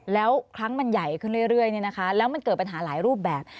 แล้วครั้งมันใหญ่ขึ้นเรื่อยแล้วมันเกิดปัญหาหลายรูปแบบ